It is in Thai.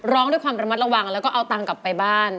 ร้องด้วยความระมัดระวังแล้วก็เอาตังค์กลับไปบ้าน